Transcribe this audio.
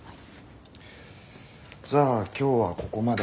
じゃあ今日はここまで。